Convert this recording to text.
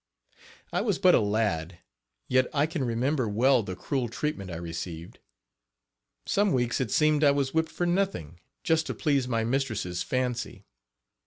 I was but a lad, yet I can remember well the cruel treatment I received. Some weeks it seemed I was whipped for nothing, just to please my mistress' fancy.